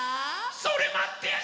それまってやした！